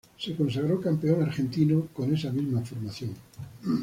Se consagró Campeón Argentino con esa misma formación.